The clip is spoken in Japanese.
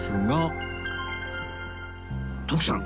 徳さん